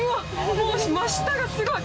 もう真下がすごい！